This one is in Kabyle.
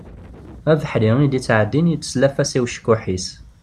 Abeḥri i d-yettɛeddin yetteslaf-as i ucekkuḥ-is.